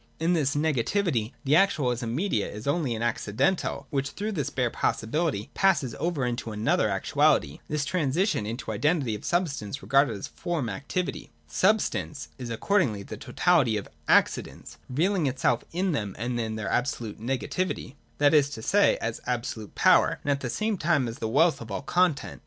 In this negativity, the actual, as immediate, is only an accidental which through this bare possibihty passes over into another actuality. VOL. II. T 274 THE DOCTRINE OF ESSENCE. [150, 151. This transition is tlie identity of substance, regarded as form activity (§§ 148, 149). 151. j Substance is accordingly the totality of the Ac cidents, revealing itself in them as their absolute nega tivity, (that is to say, as absolute power,) and at the same time as the wealth of all content.